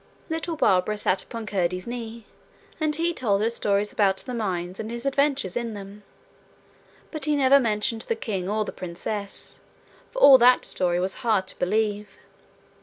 Little Barbara sat upon Curdie's knee, and he told her stories about the mines and his adventures in them. But he never mentioned the king or the princess, for all that story was hard to believe.